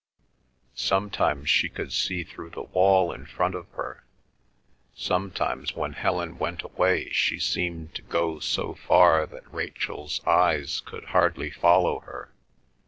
Sometimes she could see through the wall in front of her. Sometimes when Helen went away she seemed to go so far that Rachel's eyes could hardly follow her.